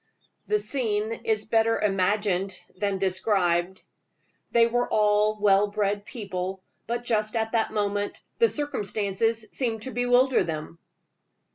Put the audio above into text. The scene is better imagined than described. They were all well bred people; but just at that moment the circumstances seemed to bewilder them.